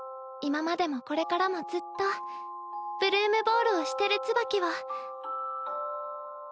今までもこれからもずっとブルームボールをしてるツバキを。